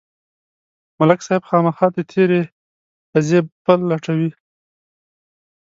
ملک صاحب خامخا د تېرې قضیې پل لټوي.